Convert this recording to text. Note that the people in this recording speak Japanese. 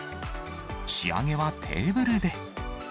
仕上げはテーブルで。